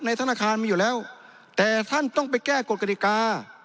ธนาคารมีอยู่แล้วแต่ท่านต้องไปแก้กฎกฎิกา